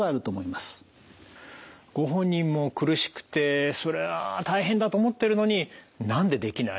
ご本人も苦しくてそれは大変だと思ってるのに「なんでできない？」